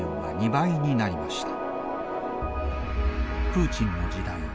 プーチンの時代。